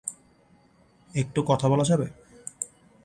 একটু কথা বলা যাবে?